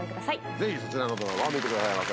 ぜひそちらのドラマも見てくださいませ。